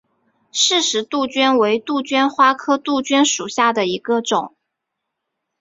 饰石杜鹃为杜鹃花科杜鹃属下的一个种。